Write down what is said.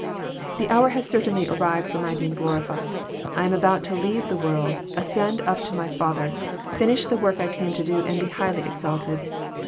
The hour has certainly arrived for my being glorified. I am a about to leave the world, ascend up to my Father, finish the \ work I came to do, and be highly exalted.